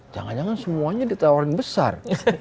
jangan jangan semuanya ditawarin besar